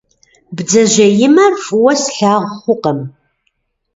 Бдзэжьеимэр фӏыуэ слъагъу хъукъым.